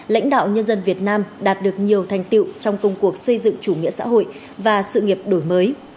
lãnh đạo nhân dân việt nam đạt được nhiều thành tiệu trong công cuộc xây dựng chủ nghĩa xã hội và sự nghiệp đổi mới